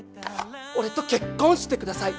俺と結婚してください。